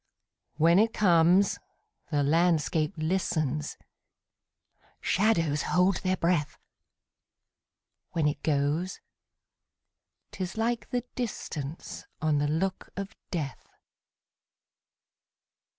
When it comes, the landscape listens, Shadows hold their breath; When it goes, 't is like the distanceOn the look of death.